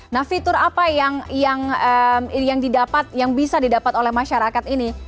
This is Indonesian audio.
nah fitur apa yang bisa didapat oleh masyarakat ini